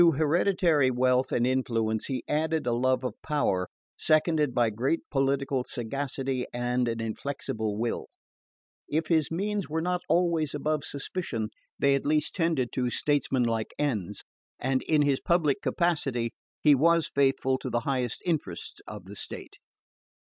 To hereditary wealth and influence he added a love of power seconded by great political sagacity and an inflexible will. If his means were not always above suspicion they at least tended to statesmanlike ends, and in his public capacity he was faithful to the highest interests of the state.